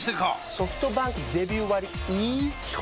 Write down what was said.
ソフトバンクデビュー割イズ基本